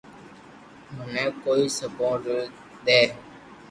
منو ڪوئي سبوت تو دي